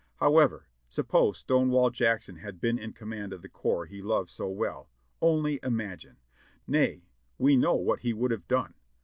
However ! Suppose Stonewall Jackson had been in command of the corps he loved so well ; only imagine ! Nay, we know what he would have done.